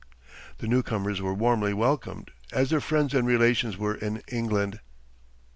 The newcomers were warmly welcomed, as their friends and relations were in England.